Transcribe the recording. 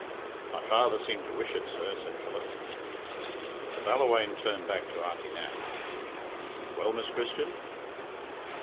"My father seemed to wish it, sir," said Philip. The Ballawhaine turned back to Auntie Nan. "Well, Miss Christian?"